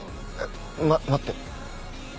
ま待って。